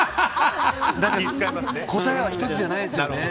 答えは１つじゃないんでしょうね。